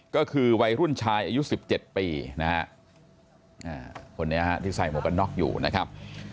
ก็คือวัยรุ่นชายอายุ๑๗ปีนะฮะคนนี้ที่ใส่หมวกกันน็อกอยู่นะครับ